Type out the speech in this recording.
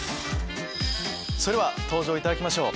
それでは登場いただきましょう。